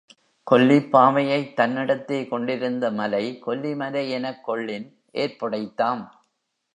கொல்லிப் பாவையைத் தன்னிடத்தே கொண்டிருந்த மலை கொல்லி மலை எனக் கொள்ளின் ஏற்புடைத்தாம்.